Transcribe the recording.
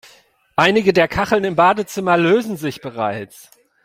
Einige der Kacheln im Badezimmer lösen sich bereits.